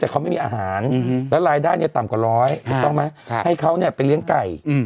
อาหารและรายได้ต่ำกว่าร้อยไม่ต้องไหมให้เขาไปเลี้ยงไก่